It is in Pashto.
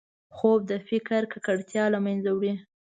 خوب د فکر ککړتیا له منځه وړي